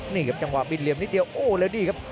นี่ครับจังหวะบินเหลี่ยมนิดเดียวโอ้แล้วนี่ครับ